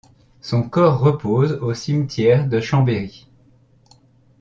Son corps repose au cimetière de Chambéry.